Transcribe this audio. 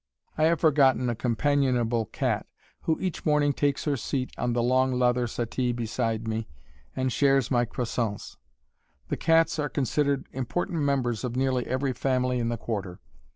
I have forgotten a companionable cat who each morning takes her seat on the long leather settee beside me and shares my crescents. The cats are considered important members of nearly every family in the Quarter.